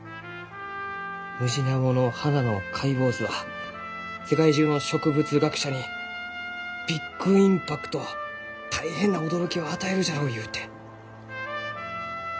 「ムジナモの花の解剖図は世界中の植物学者にｂｉｇｉｍｐａｃｔ大変な驚きを与えるじゃろう」ゆうて。